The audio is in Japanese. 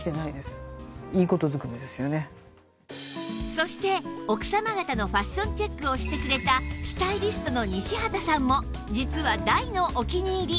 そして奥様方のファッションチェックをしてくれたスタイリストの西畑さんも実は大のお気に入り